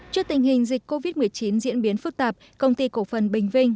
trước tình hình dịch covid một mươi chín diễn biến phức tạp công ty cổ phần bình vinh